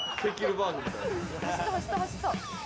「走った走った走った」